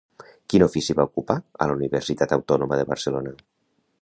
Quin ofici va ocupar a la Universitat Autònoma de Barcelona?